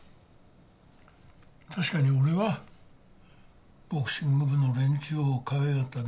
確かに俺はボクシング部の連中をかわいがった。